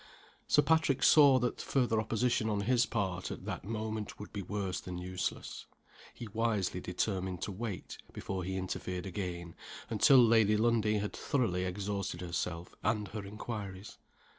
Sir Patrick saw that further opposition on his part, at that moment, would be worse than useless. He wisely determined to wait, before he interfered again, until Lady Lundie had thoroughly exhausted herself and her inquiries.